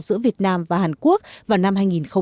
giữa việt nam và hàn quốc vào năm hai nghìn một mươi bảy